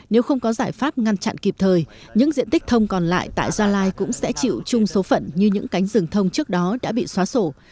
nếu không có giải pháp ngăn chặn kịp thời những diện tích thông còn lại tại gia lai cũng sẽ chịu chung số phận như những cánh rừng thông trước đó đã bị xóa sổ